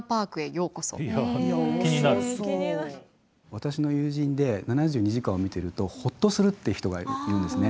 私の友人で「７２時間」を見てるとほっとするって人がいるんですね。